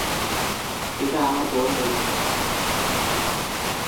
এটা আমার বোন, মেরি।